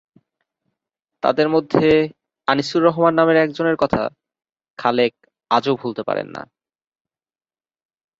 তাঁদের মধ্যে আনিসুর রহমান নামের একজনের কথা খালেক আজও ভুলতে পারেন না।